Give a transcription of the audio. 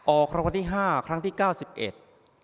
ออกคำวัติห้าครั้งที่เก้าสิบเอ็ด